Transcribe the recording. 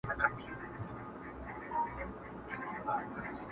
• د خان ورور هغه تعویذ وو پرانیستلی..